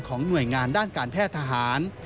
หน่วยงานด้านการแพทย์ทหาร